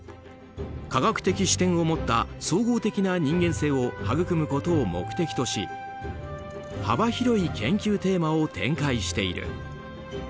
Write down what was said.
科学的視点を持った総合的な人間性を育むことを目的とし幅広い研究テーマを展開してる。